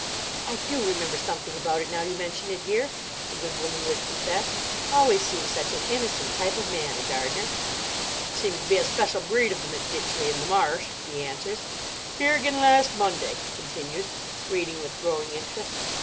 "I do remember something about it, now you mention it, dear," the good woman would confess. "Always seems such an innocent type of man, a gardener." "Seems to be a special breed of them at Ditchley in the Marsh," he answers. "Here again last Monday," he continues, reading with growing interest.